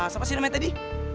siapa sih namanya tadi